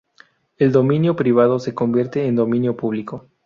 El dominio privado se convierte en dominio público